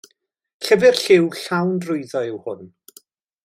Llyfr lliw llawn drwyddo yw hwn.